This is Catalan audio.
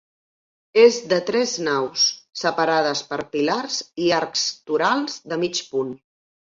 És de tres naus, separades per pilars i arcs torals de mig punt.